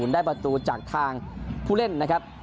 ได้ประตูจากทางผู้เล่นนะครับ